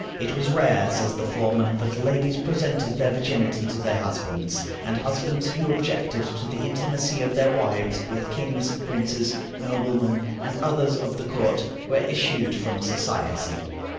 It was rare, says the former, that ladies presented their virginity to their husbands; and husbands who objected to the intimacy of their wives with "kings, princes, noblemen, and others of the court," were eschewed from society.